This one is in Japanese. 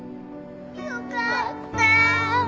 よかった。